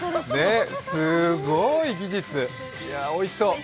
すごい技術、おいしそう！